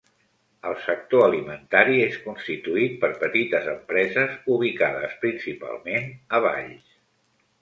El sector alimentari és constituït per petites empreses, ubicades principalment a Valls.